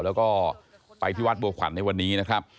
แล้วก็ไปที่วัดบัวขวัญในวันนี้นะครับ